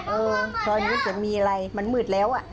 เออซอยนู้นจะมีอะไรมันมืดแล้วอ่ะ